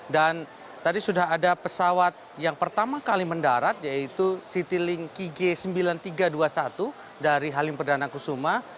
dan tadi sudah ada pesawat yang pertama kali mendarat yaitu citylinki g sembilan ribu tiga ratus dua puluh satu dari halim perdana kusuma